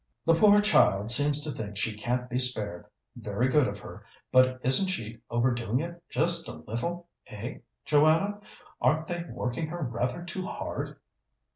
"The poor child seems to think she can't be spared. Very good of her, but isn't she overdoing it just a little eh, Joanna? Aren't they working her rather too hard?"